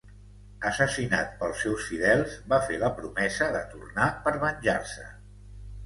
Assassinat pels seus fidels, va fer la promesa de tornar per venjar-se.